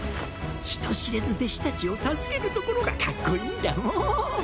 人知れず弟子たちを助けるところがかっこいいんだもん。